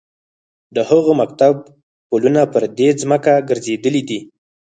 د هغه مکتب پلونه پر دې ځمکه ګرځېدلي دي.